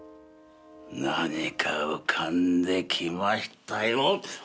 何か浮かんできましたよ。